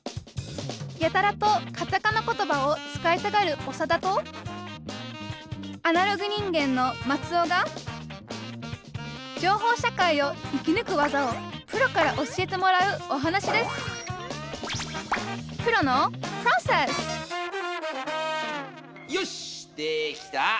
やたらとカタカナ言葉を使いたがるオサダとアナログ人間のマツオが情報社会を生きぬく技をプロから教えてもらうお話ですよしできた！